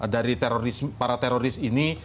dari para teroris ini